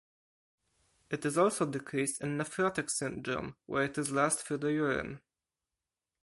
It is also decreased in nephrotic syndrome, where it is lost through the urine.